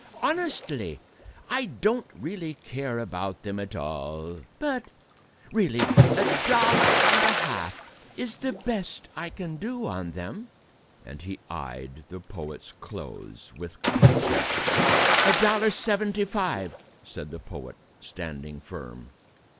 Honestly, I don't really care about them at all but really a dollar and a half is the best I can do on them...." And he eyed the poet's clothes with contempt. "A dollar seventy five," said the poet, standing firm.